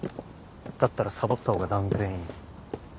だったらサボった方が断然いい。